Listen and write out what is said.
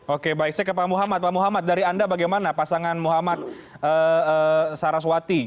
oke baik saya ke pak muhammad pak muhammad dari anda bagaimana pasangan muhammad saraswati